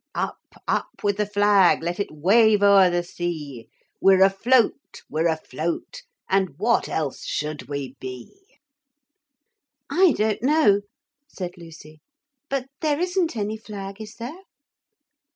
'Up, up with the flag Let it wave o'er the sea; We're afloat, we're afloat And what else should we be?' 'I don't know,' said Lucy; 'but there isn't any flag, is there?'